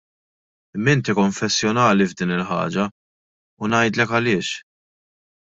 Imma inti konfessjonali f'din il-ħaġa u ngħidlek għaliex.